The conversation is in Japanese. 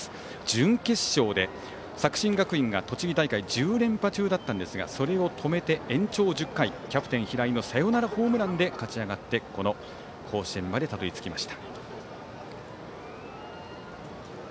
準決勝で作新学院が栃木大会１０連覇中だったんですがそれを止めて、延長１０回キャプテン平井のサヨナラホームランで勝ち上がってこの甲子園までたどり着きました。